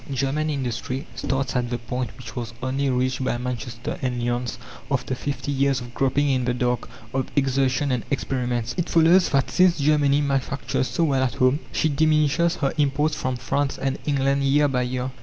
German industry starts at the point which was only reached by Manchester and Lyons after fifty years of groping in the dark, of exertion and experiments. It follows that since Germany manufactures so well at home, she diminishes her imports from France and England year by year.